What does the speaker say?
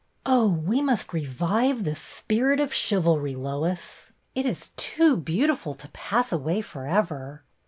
" Oh, we must revive the spirit of chivalry, Lois. It is too beautiful to pass away for ever.